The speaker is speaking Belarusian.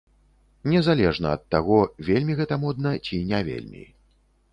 Незалежна ад таго, вельмі гэта модна ці не вельмі.